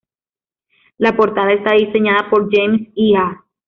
La portada está diseñada por James Iha.